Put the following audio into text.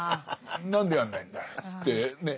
「何でやんないんだい」って言ってね。